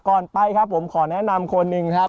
ไปครับผมขอแนะนำคนหนึ่งครับ